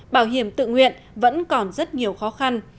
bảo hiểm tự nguyện vẫn còn rất nhiều khó khăn